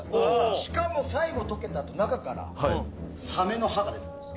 しかも最後溶けた後中からサメの歯が出てくるんです。